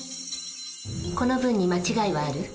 この文に間違いはある？